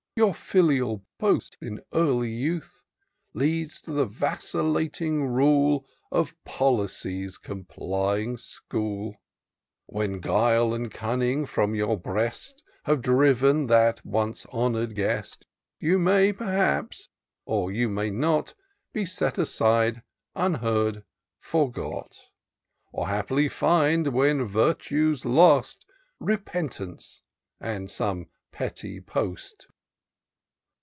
Your filial boast in early youth. Yields to the vacillating rule Of Policy's complying school ;— When guile and cunnings firom your breast Have driven that once honour'd guest. You may perhaps, or you may not. Be set aside, unheard, forgot; Or haply find, when virtue's lost. Repentance, and some petty post.